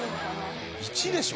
・１でしょ？